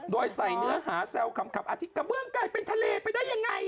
โดยใส่เนื้อหาแซวขำอาทิตยกระเบื้องกลายเป็นทะเลไปได้ยังไง